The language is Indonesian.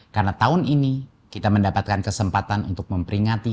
karena tahun ini kita mendapatkan kesempatan untuk memperingati